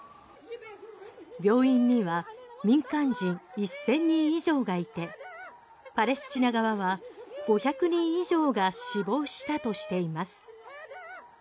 病院には民間人１０００人以上がいてパレスチナ側は５００人以上が死亡したとしています。